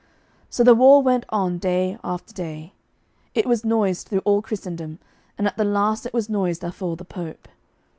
So the war went on day after day. It was noised through all Christendom, and at the last it was noised afore the Pope.